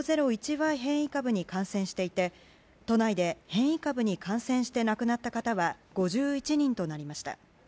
Ｙ変異株に感染していて都内で変異株に感染して亡くなった方は５１人となりました。